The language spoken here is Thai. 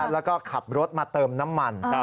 แล้วก็ขับรถมาเติมน้ำมัน